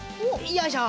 よいしょ。